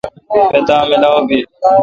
پتا ملاو بی۔